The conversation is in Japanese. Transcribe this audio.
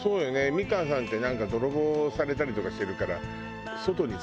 美川さんってなんか泥棒されたりとかしてるから。